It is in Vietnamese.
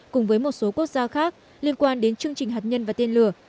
cùng với một số quốc gia khác liên quan đến chương trình hạt nhân và tên lửa